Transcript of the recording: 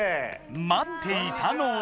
待っていたのは。